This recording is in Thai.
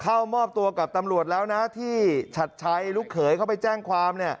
เข้ามอบตัวกับตำรวจแล้วนะที่ฉัดชัยลูกเขยเข้าไปแจ้งความ